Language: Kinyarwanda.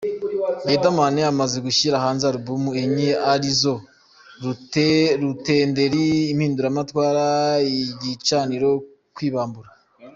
Riderman amaze gushyira hanze Album enye ari zo ; Rutenderi, Impinduramatwara, Igicaniro, Kwibambura.